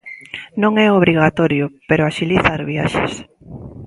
Non é obrigatorio, pero axiliza as viaxes.